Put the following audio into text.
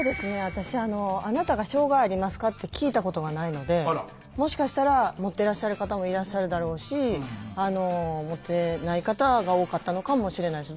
私「あなたが障害ありますか？」って聞いたことがないのでもしかしたらもってらっしゃる方もいらっしゃるだろうしあのもってない方が多かったのかもしれないし。